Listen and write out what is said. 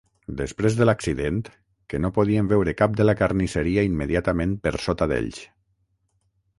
Després de l'accident, que no podien veure cap de la carnisseria immediatament per sota d'ells.